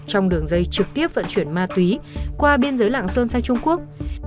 trong đường dây trực tiếp vận chuyển ma túy qua biên giới lạng sơn sang trung quốc